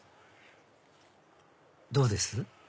どうです？